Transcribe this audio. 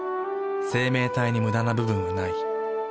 生命体にムダな部分はない。